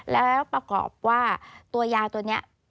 แล้วประกอบว่าตัวยาตัวนี้